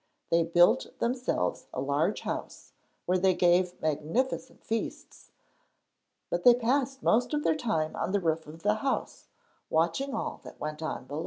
They built themselves a large house where they gave magnificent feasts, but they passed most of their time on the roof of the house, watching all that went on below.